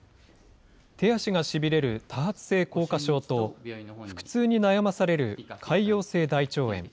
手足がしびれる多発性硬化症と、腹痛に悩まされる潰瘍性大腸炎。